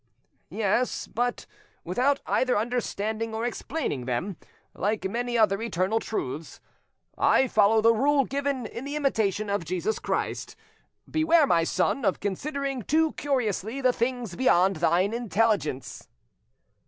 "Yes, but without either understanding or explaining them, like many other eternal truths. I follow the rule given in the Imitation o f Jesus Christ: 'Beware, my son, of considering too curiously the things beyond thine intelligence.